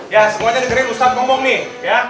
ya semua dendam ustadz ngomong nih ya